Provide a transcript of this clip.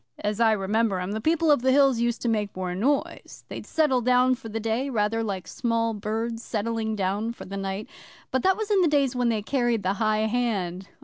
'As I remember 'em, the People of the Hills used to make more noise. They'd settle down for the day rather like small birds settling down for the night. But that was in the days when they carried the high hand.